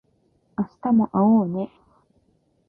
明日も会おうね